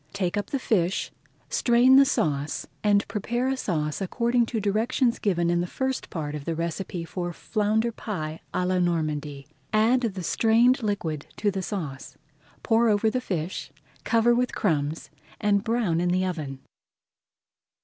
Take up the fish, strain the sauce, and prepare a sauce according to directions given in the first part of the recipe for Flounder Pie à la Normandy. Add the strained liquid to the sauce, pour over the fish, cover with crumbs, and brown in the oven.